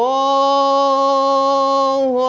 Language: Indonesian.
salam peran sudah masuk